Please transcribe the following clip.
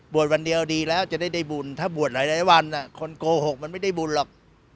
วันเดียวดีแล้วจะได้บุญถ้าบวชหลายวันคนโกหกมันไม่ได้บุญหรอก